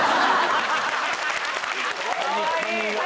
かわいい。